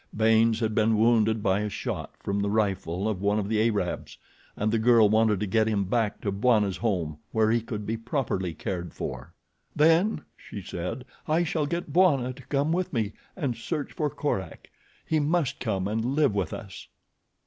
Baynes had been wounded by a shot from the rifle of one of the Arabs, and the girl wanted to get him back to Bwana's home, where he could be properly cared for. "Then," she said, "I shall get Bwana to come with me and search for Korak. He must come and live with us."